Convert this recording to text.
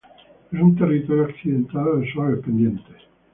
Es un territorio accidentado, de suaves pendientes.